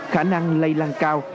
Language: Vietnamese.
khả năng lây lan cao